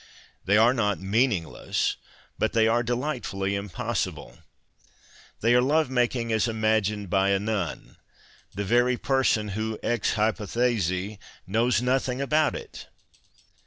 They are not meaningless, but they are delightfully impossible : they are love making as imagined by a nun, the very person who ex hypotJiesi knows nothing about it.